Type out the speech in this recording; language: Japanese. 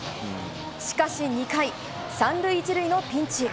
しかし２回、３塁１塁のピンチ。